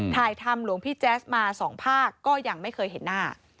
ถ่ายทำหลวงพี่แจ๊สมา๒ภาคก็ยังไม่เคยเห็นหน้า